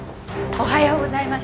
おはようございます。